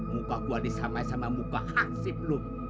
muka gua disamai samai muka hansip lu